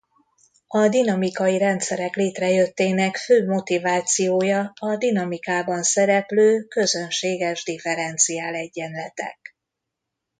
A dinamikai rendszerek létrejöttének fő motivációja a dinamikában szereplő közönséges differenciálegyenletek.